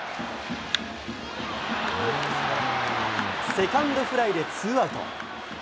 セカンドフライでツーアウト。